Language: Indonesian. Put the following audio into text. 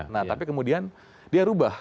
nah tapi kemudian dia rubah